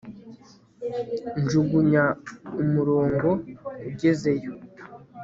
Njugunya umurongo ugezeyo